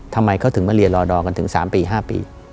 ทำไมเขาถึงมาเรียนรอดอกันถึง๓ปี๕ปี